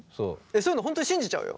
そういうの本当に信じちゃうよ？